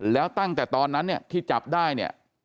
แล้วตั้งแต่ตอนนั้นเนี่ยที่จับได้เนี่ย